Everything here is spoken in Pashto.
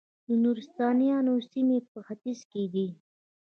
د نورستانیانو سیمې په ختیځ کې دي